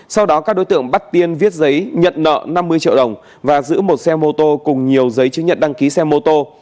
sau đó các đối tượng bắt tiên viết giấy nhận nợ năm mươi triệu đồng và giữ một xe mô tô cùng nhiều giấy chứng nhận đăng ký xe mô tô